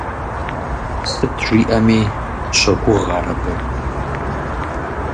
Сыт жиӏэми щогугъ ар абы.